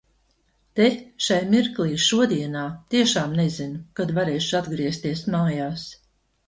Te, šai mirklī, šodienā, tiešām nezinu, kad varēšu atgriezties mājās.